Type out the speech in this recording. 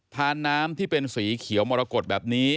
ทานน้ำที่เป็นสีเขียวมรกฏแบบนี้